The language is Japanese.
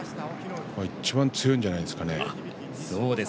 いちばん強いんじゃないですかね。